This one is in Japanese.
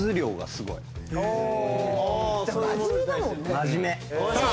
真面目。